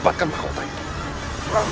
buktikan kekuatan kalian